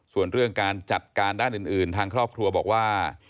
ส่วนเรื่องการจัดการด้านอื่นทางครอบครัวบอกว่า